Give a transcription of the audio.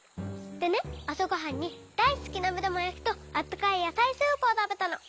でねあさごはんにだいすきなめだまやきとあったかいやさいスープをたべたの。